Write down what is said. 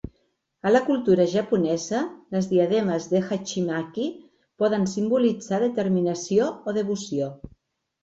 A la cultura japonesa, les diademes de hachimaki poden simbolitzar determinació o devoció.